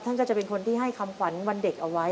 ก็จะเป็นคนที่ให้คำขวัญวันเด็กเอาไว้